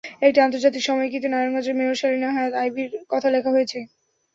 একটি আন্তর্জাতিক সাময়িকীতে নারায়ণগঞ্জের মেয়র সেলিনা হায়াৎ আইভীর কথা লেখা হয়েছে।